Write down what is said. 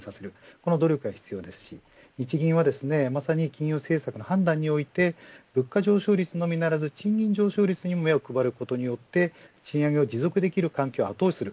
この努力が必要ですし日銀はまさに金融政策の判断において物価上昇率のみならず賃金上昇率にも目を配ることによって賃上げを持続できる環境を後押しする。